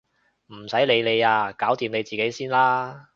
唔使你理啊！搞掂你自己先啦！